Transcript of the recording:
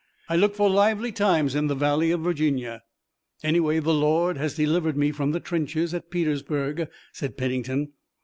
I look for lively times in the Valley of Virginia." "Anyway, the Lord has delivered me from the trenches at Petersburg," said Pennington.